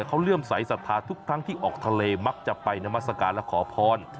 เขาเลื่อมใสสัทธาทุกครั้งที่ออกทะเลมักจะไปนามัศกาลและขอพร